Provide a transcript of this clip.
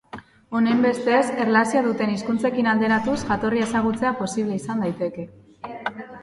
Honenbestez, erlazioa duten hizkuntzekin alderatuz jatorria ezagutzea posible izan daiteke.